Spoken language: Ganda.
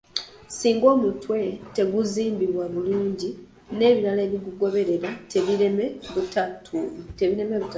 Singa omutwe teguzimbibwa bulungi n’ebirala ebigugoberera tebiireme butatuuka.